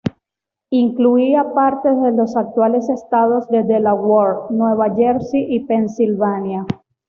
Incluía partes de los actuales estados de Delaware, Nueva Jersey y Pensilvania.